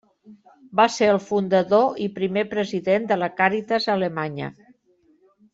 Va ser el fundador i primer president de la Càritas alemanya.